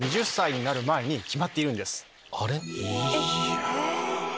いや。